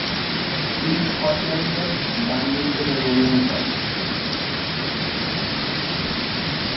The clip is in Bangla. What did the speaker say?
তিনি স্কটল্যান্ডের ডান্ডিতে জন্মগ্রহণ করেন।